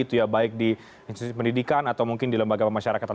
baik di institusi pendidikan atau mungkin di lembaga pemasyarakatan